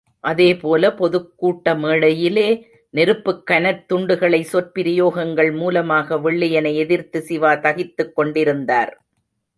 அதே போல, பொதுக் கூட்ட மேடையிலே நெருப்புக் கனற்துண்டுகளை சொற்பிரயோகங்கள் மூலமாக வெள்ளையனை எதிர்த்து சிவா தகித்துக் கொண்டிருந்தார்.